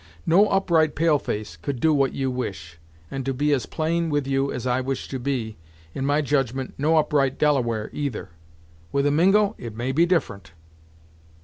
No upright pale face could do what you wish, and to be as plain with you as I wish to be, in my judgment no upright Delaware either. With a Mingo it may be different."